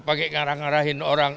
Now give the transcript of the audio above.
pakai ngarah ngarahin orang